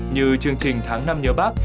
như chương trình tháng năm nhớ bắc